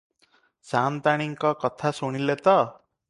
ସାଆନ୍ତାଣୀଙ୍କ କଥା ଶୁଣିଲେ ତ?